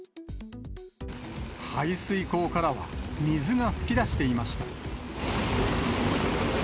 排水溝からは水が噴き出していました。